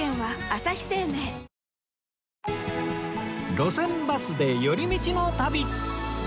『路線バスで寄り道の旅』